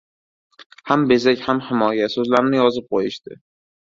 “Ham bezak, ham himoya” so‘zlarini yozib qo‘yishdi.